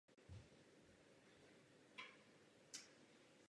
Tyto opatření ale musí být uplatňována jednotně pro všechna zařízení v síti.